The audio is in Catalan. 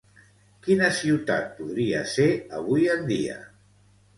Quina ciutat podria ser avui en dia?